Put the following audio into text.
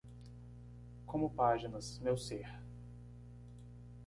Como páginas, meu ser.